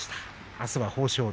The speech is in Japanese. あすは豊昇龍。